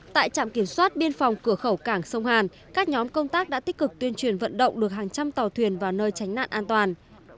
tại trạm kiểm soát biên phòng cửa khẩu cảng sông hàn các nhóm công tác đã tích cực tuyên truyền vận động được hàng trăm tàu thuyền vào nơi tránh nạn an toàn